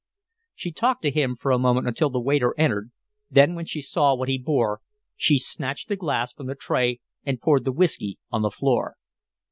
She talked to him for a moment until the waiter entered, then, when she saw what he bore, she snatched the glass from the tray and poured the whiskey on the floor.